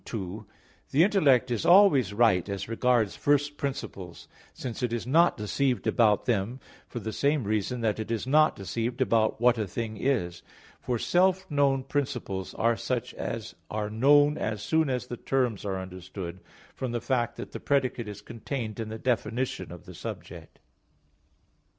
2: The intellect is always right as regards first principles; since it is not deceived about them for the same reason that it is not deceived about what a thing is. For self known principles are such as are known as soon as the terms are understood, from the fact that the predicate is contained in the definition of the subject.